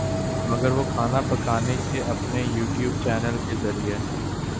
مگر وہ کھانا پکانے کے اپنے یو ٹیوب چینل کے ذریعے